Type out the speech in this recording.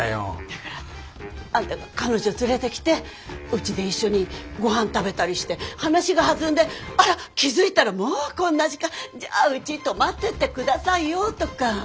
だからあんたが彼女連れてきてうちで一緒にごはん食べたりして話が弾んであら気付いたらもうこんな時間じゃあうちに泊まってって下さいよとか。